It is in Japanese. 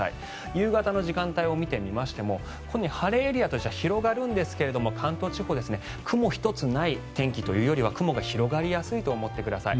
夕方の時間帯を見てみますと晴れエリアとしては広がるんですが関東地方は雲一つない天気というよりは雲が広がりやすいと思ってください。